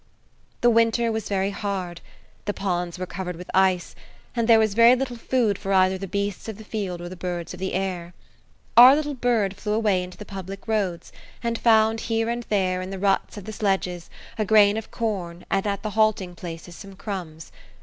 The winter was very hard; the ponds were covered with ice, and there was very little food for either the beasts of the field or the birds of the air. Our little bird flew away into the public roads, and found here and there, in the ruts of the sledges, a grain of corn, and at the halting places some crumbs.